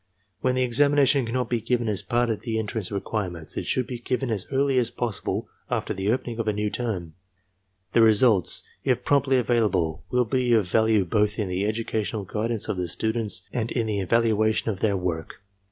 When the examination cannot be given as part of the en trance requirements, it should be given as early as possible after the opening of a new term. The results, if pi*omptly avail able, will be of value both in the educational guidance of the students and in the evaluation of their work.